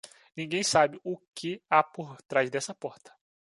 Ninguém sabe o que há por trás dessa porta.